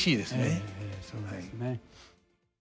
ええそうですね。